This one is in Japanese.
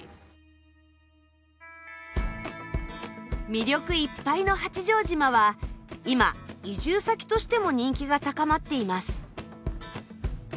魅力いっぱいの八丈島は今移住先としても人気が高まっています。